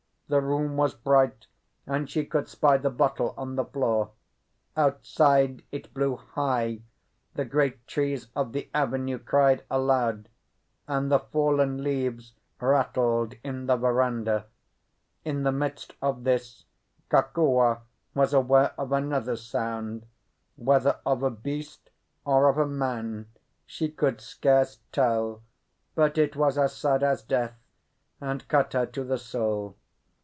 The room was bright, and she could spy the bottle on the floor. Outside it blew high, the great trees of the avenue cried aloud, and the fallen leaves rattled in the verandah. In the midst of this Kokua was aware of another sound; whether of a beast or of a man she could scarce tell, but it was as sad as death, and cut her to the soul.